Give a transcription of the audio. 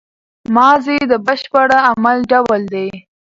ماضي د بشپړ عمل ډول دئ.